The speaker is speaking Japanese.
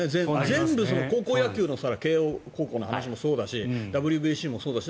全部、高校野球の慶応高校の話もそうだしＷＢＣもそうだし